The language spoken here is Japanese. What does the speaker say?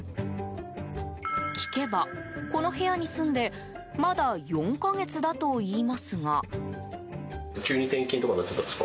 聞けば、この部屋に住んでまだ４か月だといいますが。